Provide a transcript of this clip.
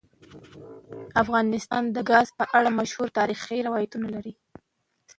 افغانستان د ګاز په اړه مشهور تاریخی روایتونه لري.